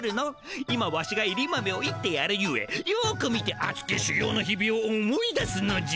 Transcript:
今ワシがいり豆をいってやるゆえよく見てあつきしゅ業の日々を思い出すのじゃ。